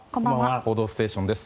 「報道ステーション」です。